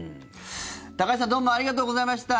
高橋さんどうもありがとうございました。